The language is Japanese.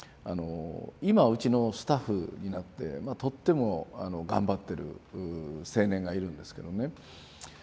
今うちのスタッフになってとっても頑張ってる青年がいるんですけどね